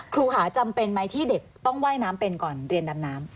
ครูค่ะจำเป็นไหมที่เด็กต้องว่ายน้ำเป็นก่อนเรียนดำน้ำ